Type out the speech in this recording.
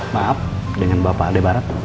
maaf dengan bapak adebarat